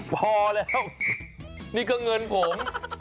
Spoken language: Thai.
พอแล้วนี่ก็เงินผม